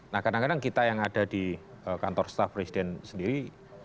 nah kadang kadang kita yang ada di kantor staf presiden sendiri